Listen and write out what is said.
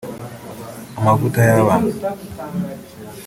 amavuta y’abana